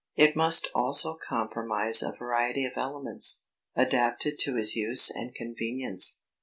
It must also comprise a variety of elements, adapted to his use and convenience.